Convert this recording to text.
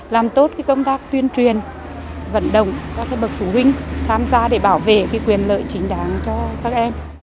làm tốt công tác tuyên truyền vận động các bậc phụ huynh tham gia để bảo vệ quyền lợi chính đáng cho các em